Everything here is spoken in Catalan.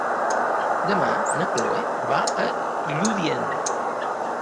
Demà na Chloé va a Lludient.